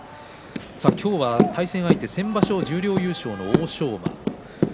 今日は対戦相手は先場所十両優勝の欧勝馬です。